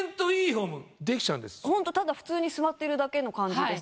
ホントただ普通に座ってるだけの感じです。